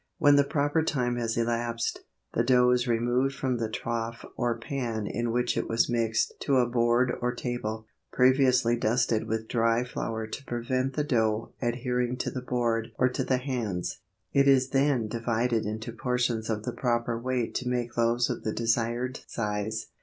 When the proper time has elapsed, the dough is removed from the trough or pan in which it was mixed to a board or table, previously dusted with dry flour to prevent the dough adhering to the board or to the hands. It is then divided into portions of the proper weight to make loaves of the desired size.